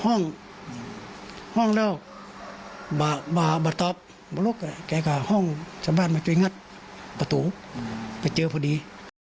ห้องห้องแล้วบาบาบาต๊อบห้องสัมภาษณ์มาเจ้ายงัดประตูไปเจอพอดี